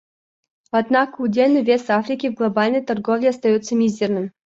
Однако удельный вес Африки в глобальной торговле остается мизерным.